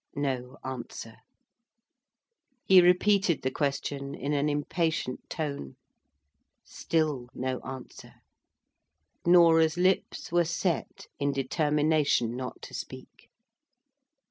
No answer. He repeated the question in an impatient tone. Still no answer. Norah's lips were set in determination not to speak.